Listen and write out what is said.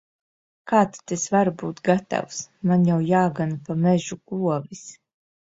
Kā tad es varu būt gatavs! Man jau jāgana pa mežu govis.